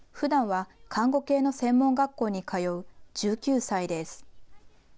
ふだんは看護系の専門学校に通う１９歳です。